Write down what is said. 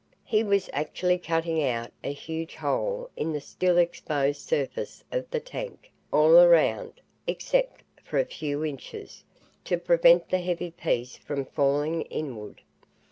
He was actually cutting out a huge hole in the still exposed surface of the tank all around, except for a few inches, to prevent the heavy piece from falling inward.